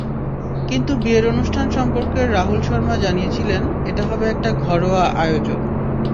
কিন্তু বিয়ের অনুষ্ঠান সম্পর্কে রাহুল শর্মা জানিয়েছিলেন, এটা হবে একটা ঘরোয়া আয়োজন।